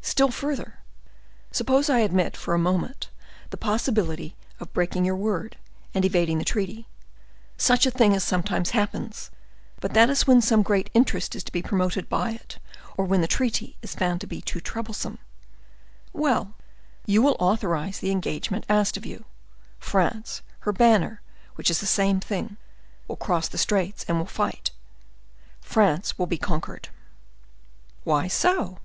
Still further. Suppose I admit, for a moment, the possibility of breaking your word, and evading the treaty—such a thing as sometimes happens, but that is when some great interest is to be promoted by it, or when the treaty is found to be too troublesome—well, you will authorize the engagement asked of you: France—her banner, which is the same thing—will cross the Straits and will fight; France will be conquered." "Why so?"